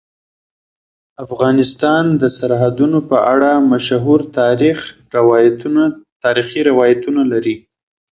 افغانستان د سرحدونه په اړه مشهور تاریخی روایتونه لري.